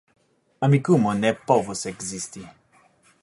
Amikumu ne povus ekzisti